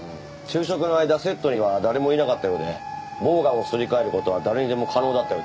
昼食の間セットには誰もいなかったようでボウガンをすり替える事は誰にでも可能だったようです。